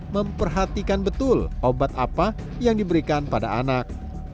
memperhatikan betul obat apa yang diberikan pada anak